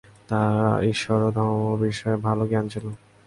তার ঈশ্বর ও ধর্মীয় বিষয়ে ভালো জ্ঞান ছিল।